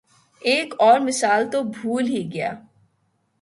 ایک اور مثال تو بھول ہی گیا۔